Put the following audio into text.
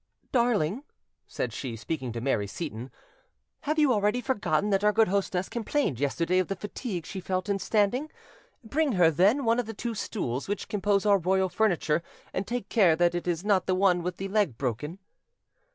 "Darling," said she, speaking to Mary Seyton, "have you already forgotten that our good hostess complained yesterday of the fatigue she felt inn standing? Bring her, then, one of the two stools which compose our royal furniture, and take care that it is not the one with the leg broken".